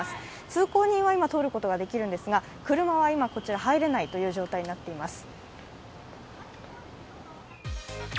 通行人は今、通ることはできるのですが車は今、こちら入れない状態になっています。